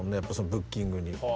ブッキングに。